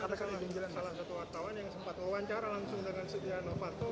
apakah ada salah satu wartawan yang sempat mewawancara langsung dengan sudiano panto